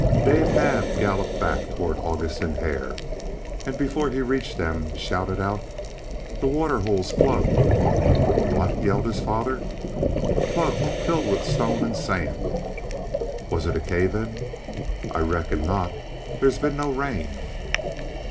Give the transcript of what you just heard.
Dave Naab galloped back toward August and Hare, and before he reached them shouted out: "The waterhole's plugged!" "What?" yelled his father. "Plugged, filled with stone and sand." "Was it a cave in?" "I reckon not. There's been no rain."